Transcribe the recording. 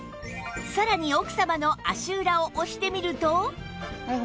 さらに奥様の足裏を押してみると